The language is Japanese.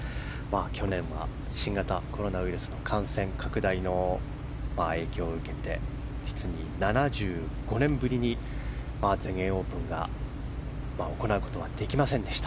去年は、新型コロナウイルスの感染拡大の影響を受けて実に７５年ぶりに全英オープンが行うことはできませんでした。